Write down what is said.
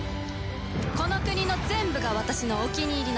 この国の全部が私のお気に入りなの。